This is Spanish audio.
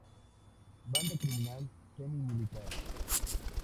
Banda criminal semi-militar.